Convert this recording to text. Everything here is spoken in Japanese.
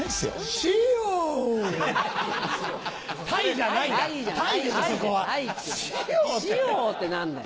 シオ！って何だよ。